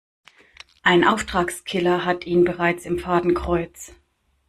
Ein Auftragskiller hat ihn bereits im Fadenkreuz.